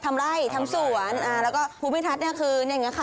ทำไล่ทำสวนอ่าแล้วก็ภูมิทัศน์เนี่ยคืออย่างนี้ค่ะ